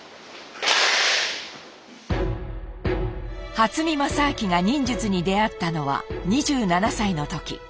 初見良昭が忍術に出会ったのは２７歳の時。